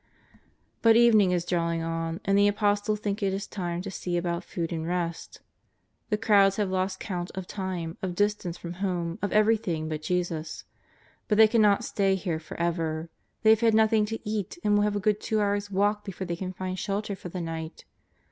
But evening is drawing on and the Apostles think it is time to see about food and rest. The crowds have lost count of time, of distance from home, of every thing but Jesus. But they cannot stay here for ever. They have had nothing to eat and will have a good two hours' walk before they can find shelter for the night.